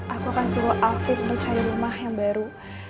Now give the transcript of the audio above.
aku akan suruh alfiq untuk cari rumah yang baru